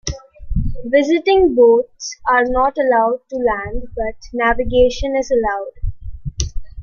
Visiting boats are not allowed to land, but navigation is allowed.